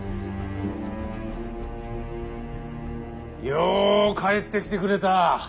よう帰ってきてくれた。